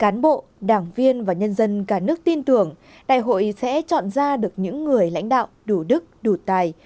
cán bộ đảng viên và nhân dân cả nước tin tưởng đại hội sẽ chọn ra được những người lãnh đạo đủ đức đủ tài